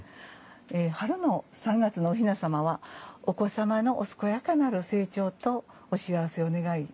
春の３月のお雛様はお子様のお健やかなる成長とお幸せを願い